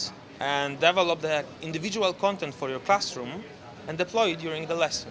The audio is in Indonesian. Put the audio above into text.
dan membuat konten individu untuk kelas dan mengembangkannya saat pelajaran